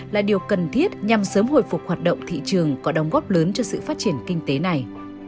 là điều cần thiết nhằm sớm hồi phục hoạt động thị trường có đóng góp lớn cho sự phát triển kinh tế này